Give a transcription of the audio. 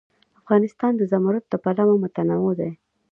افغانستان د زمرد له پلوه متنوع دی.